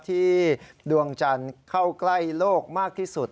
ดวงจันทร์เข้าใกล้โลกมากที่สุด